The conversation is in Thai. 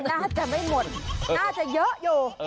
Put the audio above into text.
น่าจะไม่หมดน่าจะเยอะอยู่